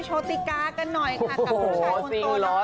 โชติกากันหน่อยค่ะ